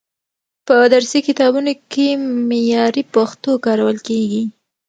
په درسي کتابونو کې معیاري پښتو کارول کیږي.